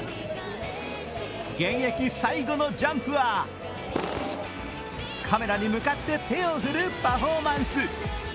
現役最後のジャンプは、カメラに向かって手を振るパフォーマンス。